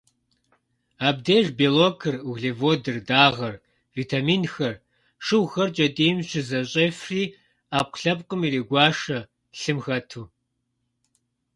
Абдеж белокыр, углеводыр, дагъэр, витаминхэр, шыгъухэр кӏэтӏийм щызэщӏефри, ӏэпкълъэпкъым ирегуашэ, лъым хэту.